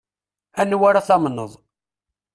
Anwa ara tamneḍ.